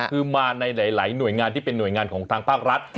คือมาในหลายหน่วยงานที่เป็นหน่วยงานของทางภาครัฐ